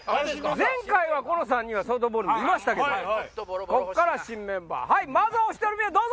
前回はこの３人ソフトボールにいましたけどここからは新メンバーまずお１人目どうぞ！